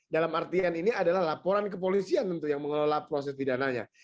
dalam artian ini adalah laporan kepolisian tentu yang mengelola proses pidananya